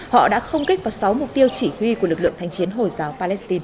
họ đã không kích vào sáu mục tiêu chỉ huy của lực lượng thanh chiến hồi giáo palestine